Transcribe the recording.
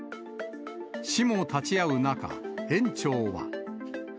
市も立ち会う中、園長は。